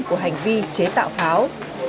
của hành vi chế tạo pháo